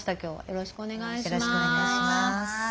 よろしくお願いします。